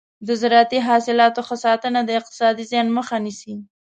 د زراعتي حاصلاتو ښه ساتنه د اقتصادي زیان مخه نیسي.